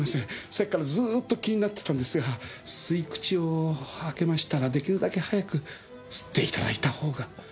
さっきからずーっと気になってたのですが吸い口を開けましたら出来るだけ早く吸っていただいたほうが。